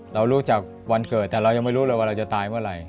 เรารู้จักวันเกิดแต่เรายังไม่รู้เลยว่าเราจะตายเมื่อไหร่